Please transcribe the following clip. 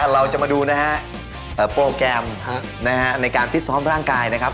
เราจะมาดูนะฮะโปรแกรมในการพิซ้อมร่างกายนะครับ